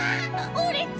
オレっち